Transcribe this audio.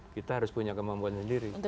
kita harus punya kemampuan sendiri